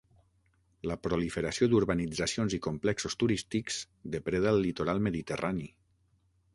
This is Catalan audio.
La proliferació d'urbanitzacions i complexos turístics depreda el litoral mediterrani.